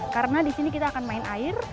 karena di sini kita akan main air